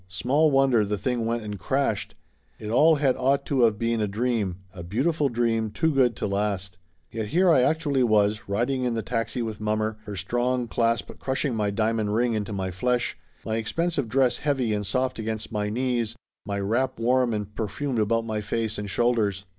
Small wonder the thing went and crashed ! It all had ought to of been a dream, a beautiful dream too good to last. Yet here I actually was, riding in the taxi with mommer, her strong clasp crushing my diamond ring into my flesh, my expensive dress heavy and soft against my knees, my wrap warm and perfumed about my face and shoulders.